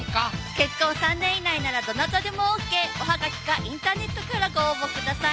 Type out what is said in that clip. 結婚３年以内ならどなたでもＯＫおはがきかインターネットからご応募ください